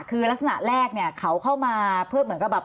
คือลักษณะแรกเขาเข้ามาเพื่อเหมือนแบบ